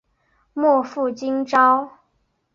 莫负今朝！